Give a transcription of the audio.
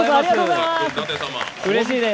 うれしいです。